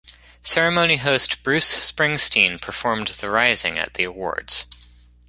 Ceremony host Bruce Springsteen performed "The Rising" at the Awards.